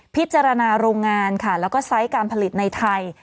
พิจารณาโรงงานค่ะแล้วก็ไซส์การผลิตในไทย